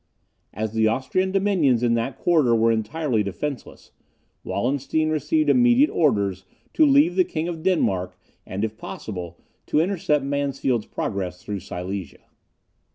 As the Austrian dominions in that quarter were entirely defenceless, Wallenstein received immediate orders to leave the King of Denmark, and if possible to intercept Mansfeld's progress through Silesia.